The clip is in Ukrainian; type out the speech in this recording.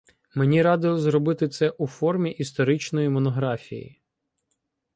Мені радили зробити це у формі історичної монографії.